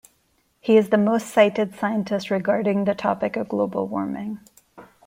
He is the most cited scientist regarding the topic of global warming.